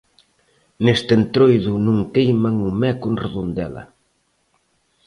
Neste Entroido non queiman o meco en Redondela.